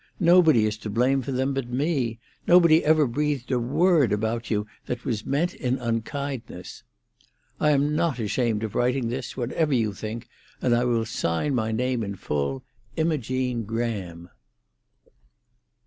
Nobody is to blame for them but me; nobody ever breathed a word about you that was meant in unkindness. "I am not ashamed of writing this, whatever you think, and I will sign my name in full. IMOGENE GRAHAM."